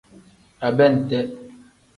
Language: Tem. Abente.